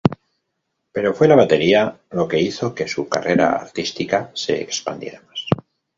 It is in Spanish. Pero fue la batería lo que hizo que su carrera artística se expandiera más.